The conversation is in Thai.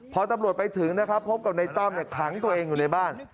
พอตำรวจไปถึงนะครับพบกับในตั้มขังตัวเองอยู่ในบ้าน